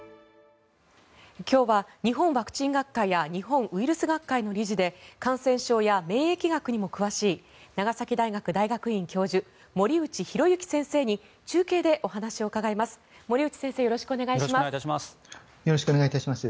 今日は日本ワクチン学会や日本ウイルス学会の理事で感染症や免疫学にも詳しい長崎大学大学院教授森内浩幸先生に中継でお話を伺います。